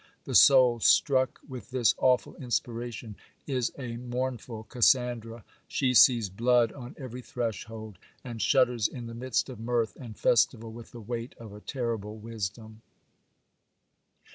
The soul, struck with this awful inspiration, is a mournful Cassandra; she sees blood on every threshold, and shudders in the midst of mirth and festival with the weight of a terrible wisdom.